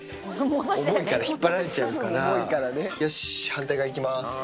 重いから引っ張られちゃうから、よし、反対側いきます。